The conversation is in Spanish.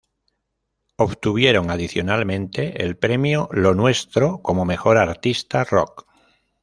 Obtuvieron adicionalmente el Premio Lo Nuestro como Mejor Artista Rock.